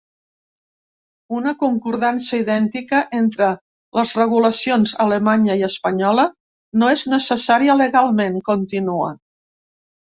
Una concordança idèntica entre les regulacions alemanya i espanyola no és necessària legalment, continua.